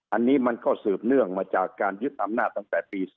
อันนี้มันก็สืบเนื่องมาจากการยึดอำนาจตั้งแต่ปี๒๕